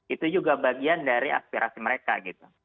itu juga bagian dari aspirasi mereka gitu